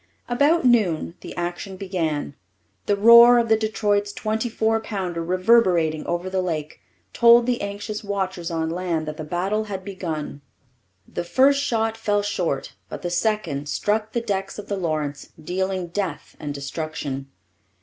About noon the action began. The roar of the Detroit's twenty four pounder, reverberating over the lake, told the anxious watchers on land that the battle had begun. The first shot fell short, but the second struck the decks of the Lawrence, dealing death and destruction.